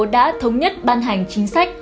đã thống nhất ban hành chính sách